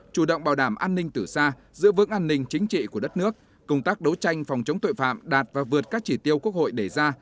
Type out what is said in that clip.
chủ động bảo đảm an ninh tử xa giữ vững an ninh chính trị của đất nước công tác đấu tranh phòng chống tội phạm đạt và vượt các chỉ tiêu quốc hội đề ra